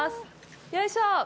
よいしょ！